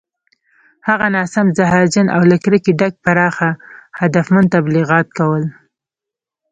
هغه ناسم، زهرجن او له کرکې ډک پراخ هدفمند تبلیغات کول